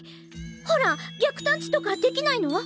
ほら逆探知とかできないの？